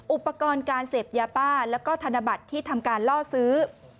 อุปกรณ์การเสพยาบ้าแล้วก็ธนบัตรที่ทำการล่อซื้อ